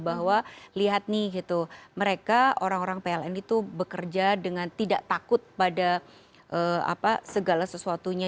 bahwa lihat nih gitu mereka orang orang pln itu bekerja dengan tidak takut pada segala sesuatunya